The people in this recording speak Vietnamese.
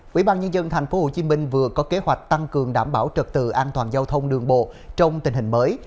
quỹ ban nhân dân tp hcm vừa có kế hoạch tăng cường đảm bảo trật tự an toàn giao thông đường bộ trong tình hình mới